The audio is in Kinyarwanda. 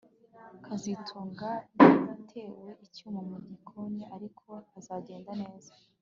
kazitunga yatewe icyuma mu gikoni ariko azagenda neza